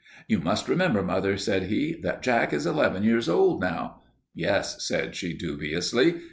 "You must remember, mother," said he, "that Jack is eleven years old now." "Yes," said she, dubiously.